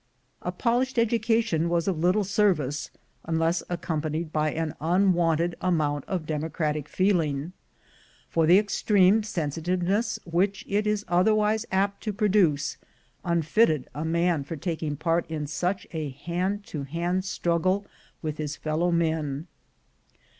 A polished education was of little service, unless accompanied by an unwonted amount of democratic feeling; for the extreme sensitiveness which it is otherwise apt to produce, unfitted a man for taking part in such a hand to hand struggle with his fellow men.